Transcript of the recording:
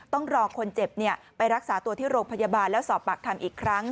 ต้องรอคนเจ็บไปรักษาตัวที่โรงพยาบาลแล้วสอบปากคำอีกครั้ง